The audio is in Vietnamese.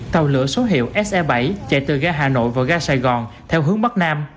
tàu lửa số hiệu se bảy chạy từ gà hà nội và gà sài gòn theo hướng bắc nam